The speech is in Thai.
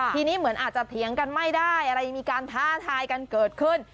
ทีนี้เหมือนอาจจะเถียงกันไม่ได้อะไรมีการท้าทายกันเกิดขึ้น